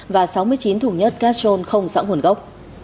và sáu mươi chín thủ nhất cachon không sẵn hồn gốc